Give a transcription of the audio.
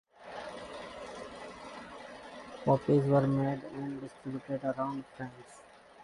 Copies were made and distributed around France.